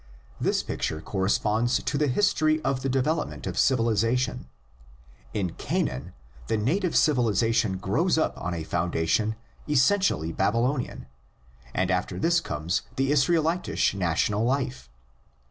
This picture corresponds to the history of the development of civilisation: in Canaan the native civilisation grows up on a foundation essen tially Babylonian, and after this comes the Israel itish national life.